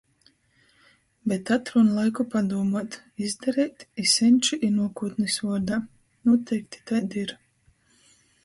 Bet atrūn laiku padūmuot, izdareit i senču, i nuokūtnis vuordā. Nūteikti taidi ir!